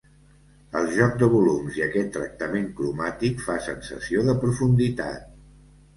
El joc de volums i aquest tractament cromàtic fa sensació de profunditat.